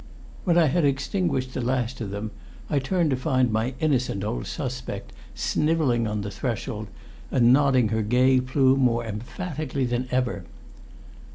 When I had extinguished the last of them, I turned to find my innocent old suspect snivelling on the threshold, and nodding her gay plume more emphatically than ever.